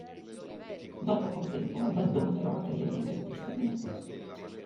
Dopo poco tempo abbandona però la carriera concertistica in orchestra.